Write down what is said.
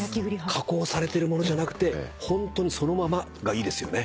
加工されてるものじゃなくてホントにそのままがいいですよね。